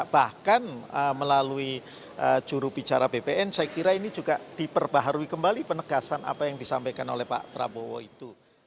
bahkan melalui jurubicara bpn saya kira ini juga diperbaharui kembali penegasan apa yang disampaikan oleh pak prabowo itu